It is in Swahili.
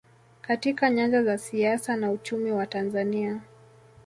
katika nyanja za siasa na uchumi wa Tanzania